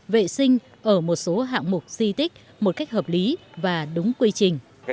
vệ sinh ở một số hạng mục di tích một cách hợp lý và đúng quy trình